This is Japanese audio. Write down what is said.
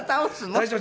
「大丈夫。